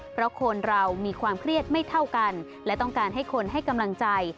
เพราะคนเรามีความเครียดไม่เท่ากันและต้องการให้คนให้กำลังใจ